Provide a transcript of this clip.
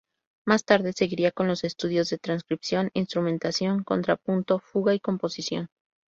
Más tarde seguiría con los estudios de transcripción, instrumentación, contrapunto, fuga y composición.